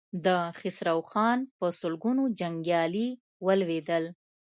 د خسرو خان په سلګونو جنګيالي ولوېدل.